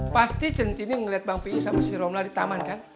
pasti centini ngeliat bang pi sama si romla di taman kan